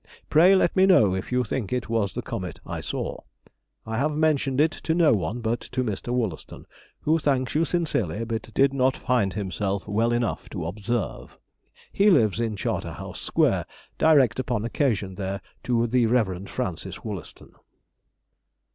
Pray let me know if you think it was the comet I saw. I have mentioned it to no one but to Mr. Wollaston, who thanks you sincerely, but did not find himself well enough to observe; he lives in Charter House Square; direct upon occasion there to the Rev. Francis Wollaston.